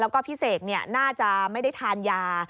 แล้วก็พี่เสกน่าจะไม่ได้ทานยา